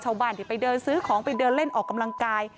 ชาวบ้านที่ไปเดินซื้อของไปเดินเล่นออกกำลังกาย